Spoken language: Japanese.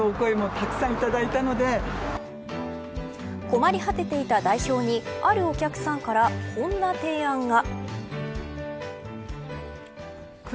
困り果てていた代表にあるお客さんからこんな提案が。